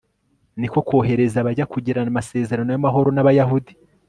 ni ko kohereza abajya kugirana amasezerano y'amahoro n'abayahudi